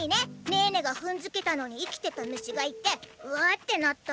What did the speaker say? ねーねがふんづけたのに生きてた虫がいてうわーってなったの。